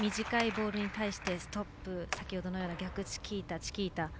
短いボールに対してストップ先ほどのような逆チキータ